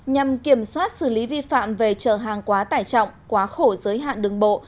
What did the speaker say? nhằm kiểm soát xử lý vi phạm về chở hàng quá tải trọng quá khổ giới hạn đường bộ